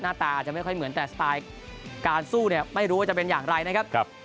ตาอาจจะไม่ค่อยเหมือนแต่สไตล์การสู้เนี่ยไม่รู้ว่าจะเป็นอย่างไรนะครับ